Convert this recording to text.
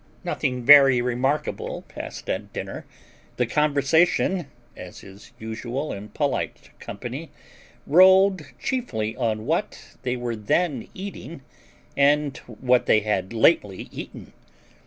Nothing very remarkable passed at dinner. The conversation (as is usual in polite company) rolled chiefly on what they were then eating and what they had lately eaten.